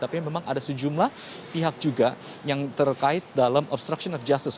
tapi memang ada sejumlah pihak juga yang terkait dalam obstruction of justice